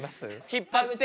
引っ張って。